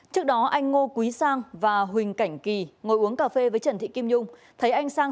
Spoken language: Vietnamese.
trước đó anh ngô quý sang và huỳnh cảnh kỳ ngồi uống cà phê với trần thị kim nhung thấy anh sang